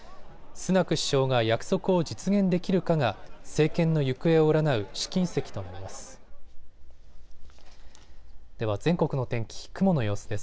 スナク首相が約束を実現できるかが政権の行方を占う試金石となります。